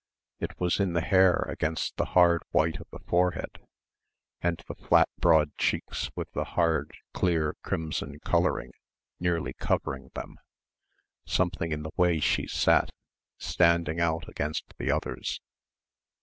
it was in the hair against the hard white of the forehead and the flat broad cheeks with the hard, clear crimson colouring nearly covering them ... something in the way she sat, standing out against the others....